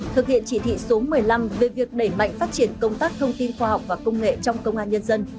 thực hiện chỉ thị số một mươi năm về việc đẩy mạnh phát triển công tác thông tin khoa học và công nghệ trong công an nhân dân